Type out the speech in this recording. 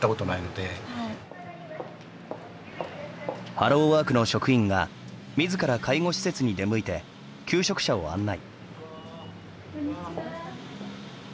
ハローワークの職員がみずから介護施設に出向いて求職者を案内。